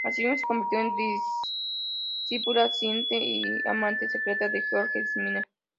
Asimismo, se convirtió en discípula, asistente y amante secreta de Georg Simmel.